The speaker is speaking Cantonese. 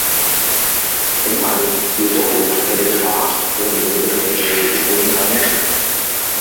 請問如果回答佢哋嘅話，會唔會對你哋有影響呢？